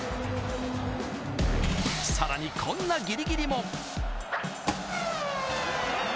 さらに、こんなギリギリも。